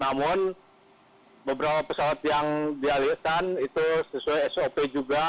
namun beberapa pesawat yang dialihkan itu sesuai sop juga